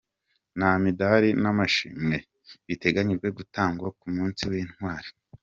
Nta midari n’amashimwe biteganyijwe gutangwa ku munsi w’intwari